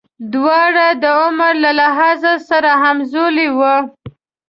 دواړه د عمر له لحاظه سره همزولي وو.